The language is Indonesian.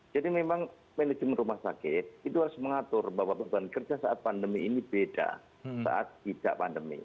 jadi memang manajemen rumah sakit itu harus mengatur bahwa beban kerja saat pandemi ini beda saat tidak pandemi